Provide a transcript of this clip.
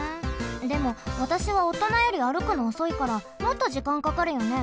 でもわたしはおとなより歩くのおそいからもっと時間かかるよね。